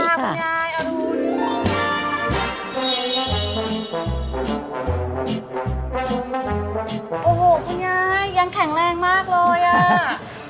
โอ้โหคุณยายยังแข็งแรงมากเลยอ่ะ